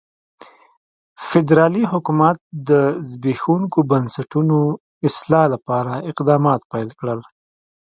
فدرالي حکومت د زبېښونکو بنسټونو اصلاح لپاره اقدامات پیل کړل.